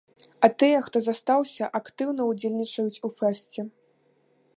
А тыя, хто застаўся, актыўна ўдзельнічаюць у фэсце.